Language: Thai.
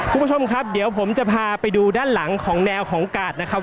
คุณผู้ชมครับเดี๋ยวผมจะพาไปดูด้านหลังของแนวของกาดนะครับ